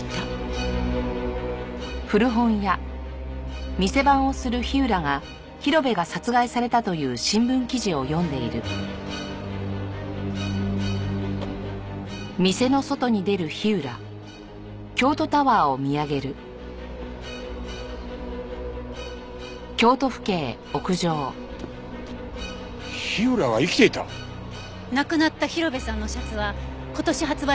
亡くなった広辺さんのシャツは今年発売されたものだったわ。